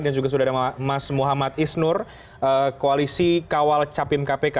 dan juga sudah ada mas muhammad isnur koalisi kawal capim kpk